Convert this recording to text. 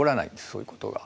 そういうことが。